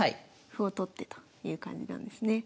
歩を取ってという感じなんですね。